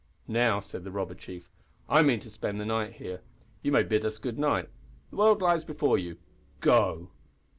"Now," said the robber chief, "I mean to spend the night here. You may bid us good night. The world lies before you go!"